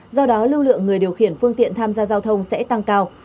do đó lưu lượng người điều khiển phương tiện tham gia giao thông sẽ tăng cao